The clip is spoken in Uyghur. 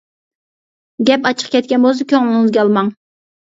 گەپ ئاچچىق كەتكەن بولسا كۆڭلىڭىزگە ئالماڭ.